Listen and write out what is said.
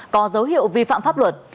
có dấu hiệu vi phạm pháp luật